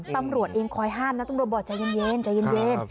ตำรวจเองคอยห้านนะตำรวจบอกใจเย็น